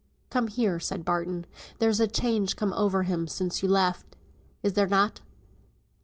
"Come here," said Barton. "There's a change comed over him sin' yo left, is there not?"